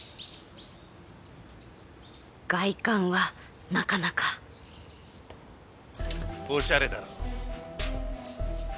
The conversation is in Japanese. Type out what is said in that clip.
外観はなかなかおしゃれだろう？